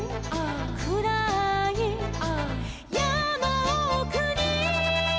「くらーい」「」「やまおくに」